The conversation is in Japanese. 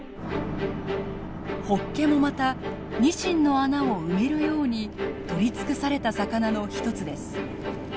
ホッケもまたニシンの穴を埋めるように取り尽くされた魚の一つです。